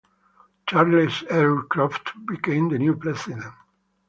Charles R. Croft became the new president.